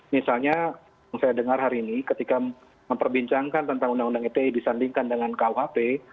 misalnya yang saya dengar hari ini ketika memperbincangkan tentang undang undang ite disandingkan dengan kuhp